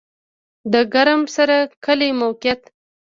د ګرم سر کلی موقعیت